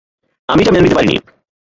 আমি এটা মেনে নিতে পারিনি।